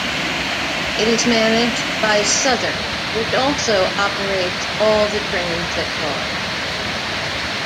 It is managed by Southern, which also operates all the trains that call.